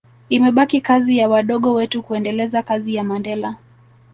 imebaki kazi ya wadogo wetu kuendeleza kazi ya Mandela